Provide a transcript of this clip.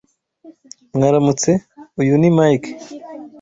Mwaramutse, uyu ni Mike.